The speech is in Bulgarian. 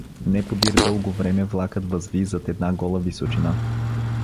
Не подир дълго време влакът възви зад една гола височина.